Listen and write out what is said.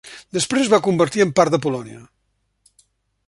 Després es va convertir en part de Polònia.